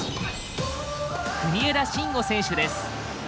国枝慎吾選手です。